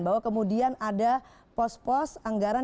bahwa kemudian ada pos pos anggaran